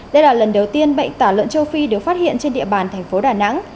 đây là lần đầu tiên bệnh tả lợn châu phi được phát hiện trên địa bàn tp đà nẵng